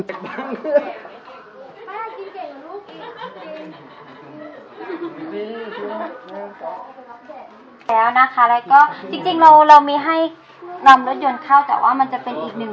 แล้วนะคะแล้วก็จริงเราไม่ให้นำรถยนต์เข้าแต่ว่ามันจะเป็นอีกหนึ่ง